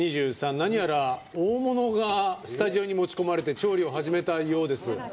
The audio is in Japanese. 何やら大物がスタジオに持ち込まれて調理を始めたようです。